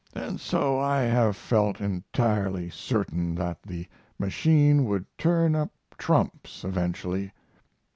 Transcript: And so I have felt entirely certain that the machine would turn up trumps eventually.